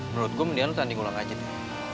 menurut gue mendingan lo tanding ulang aja de